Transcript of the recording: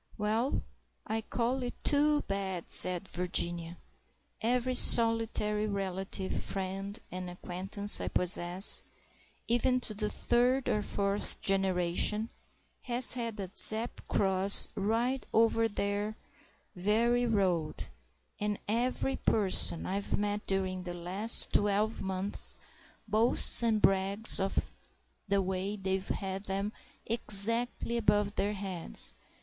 "Well, I call it too bad!" said Virginia. "Every solitary relative, friend, and acquaintance I possess, even to the third and fourth generation, has had a Zepp cross 'right over their very road'; and every person I've met during the last twelve months boasts and brags of the way they've had them 'exactly above their heads.